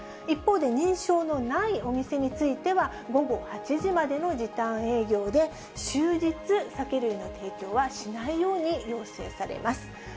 一方で、認証のないお店については、午後８時までの時短営業で、終日、酒類の提供はしないように要請されます。